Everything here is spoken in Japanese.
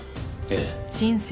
ええ。